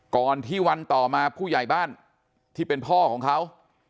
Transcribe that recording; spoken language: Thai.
ก่อนที่วันต่อมาผู้ใหญ่บ้านที่เป็นพ่อของเขา